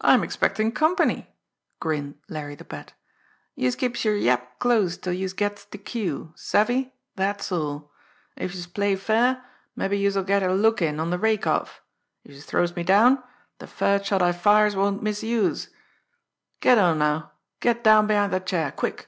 "I'm expectin' company," grinned Larry the Bat. "Youse keeps yer yap closed till youse gets de cue savvy? Dat's all! If youse play fair, mabbe youse'll get a look in on de rake off; if youse throws me down, the first shot I fires won't miss youse. Go on now, get down behind dat chair quick!"